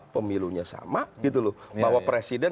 pemilunya sama gitu loh bahwa presiden